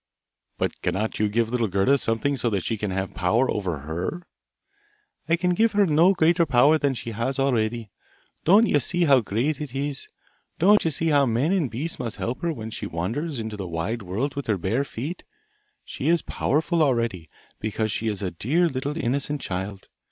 'But cannot you give little Gerda something so that she can have power over her?' 'I can give her no greater power than she has already; don't you see how great it is? Don't you see how men and beasts must help her when she wanders into the wide world with her bare feet? She is powerful already, because she is a dear little innocent child.